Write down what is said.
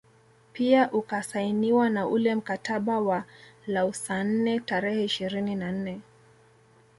Pia Ukasainiwa na ule mkataba wa Lausanne tarehe ishirini na nne